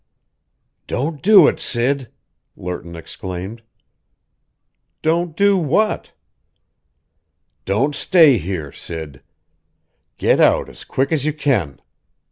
"Don't do it, Sid!" Lerton exclaimed. "Don't do what?" "Don't stay here, Sid. Get out as quick as you can!